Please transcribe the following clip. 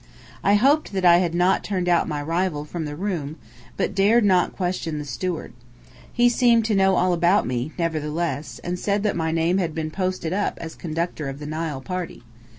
I hoped that I had not turned out my rival from the room, but dared not question the steward. He seemed to know all about me, nevertheless, and said that my name had been "posted up" as conductor of the Nile party.